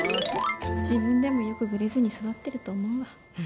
自分でもよくグレずに育ってると思うわ。